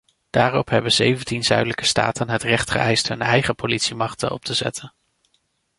Daarop hebben zeventien zuidelijke staten het recht geëist hun eigen politiemachten op te zetten.